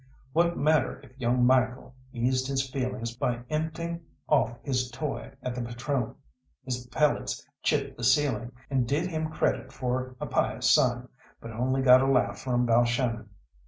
What matter if young Michael eased his feelings by empting off his toy at the patrone? His pellets chipped the ceiling, and did him credit for a pious son, but only got a laugh from Balshannon.